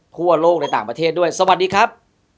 ทั่วโลกในต่างประเทศด้วยสวัสดีครับ